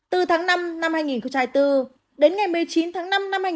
từ tháng năm năm hai nghìn hai mươi bốn đến ngày một mươi chín tháng năm năm hai nghìn hai mươi